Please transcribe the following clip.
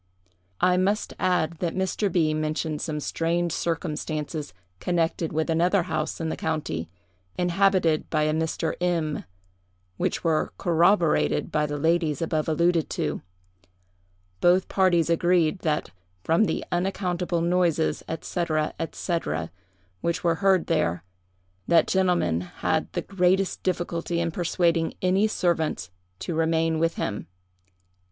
"I must add, that Mr. B—— mentioned some strange circumstances connected with another house in the county, inhabited by a Mr. M——, which were corroborated by the ladies above alluded to. Both parties agreed that, from the unaccountable noises, &c., &c., which were heard there, that gentleman had the greatest difficulty in persuading any servants to remain with him.